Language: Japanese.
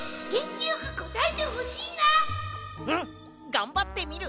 がんばってみる。